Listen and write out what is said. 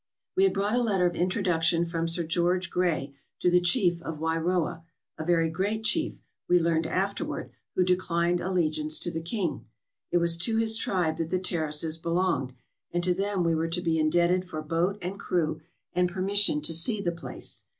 We had brought a letter of introduction from Sir George Grey to the chief of Wairoa — a very great chief, we learned afterward, who declined allegiance to the king. It was to his tribe that the Terraces belonged, and to them we were to be indebted for boat and crew and permission to see the place.